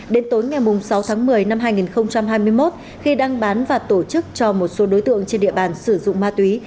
đến tối ngày sáu tháng một mươi năm hai nghìn hai mươi một khi đang bán và tổ chức cho một số đối tượng trên địa bàn sử dụng ma túy